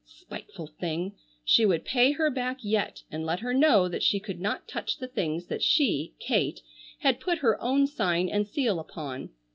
Spiteful thing! She would pay her back yet and let her know that she could not touch the things that she, Kate, had put her own sign and seal upon.